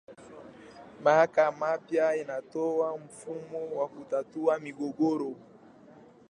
Mahakama pia inatoa mfumo wa kutatua migogoro.